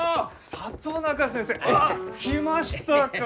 里中先生！ああ来ましたか！